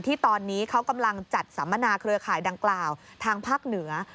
ที่ตอนนี้เขากำลังจัดสัมมนาเครือข่ายดังกล่าวทางภาคเหนือ